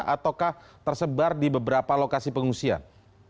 ataukah tersebar di beberapa lokasi pengungsian